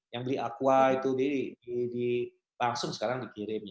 yang beli aqua itu langsung sekarang dikirim